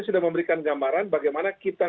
sudah memberikan gambaran bagaimana kita